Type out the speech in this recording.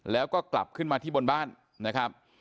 แล้วก็กลับขึ้นมาที่บนบ้านนะครับ